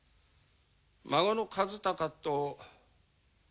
孫の和鷹と。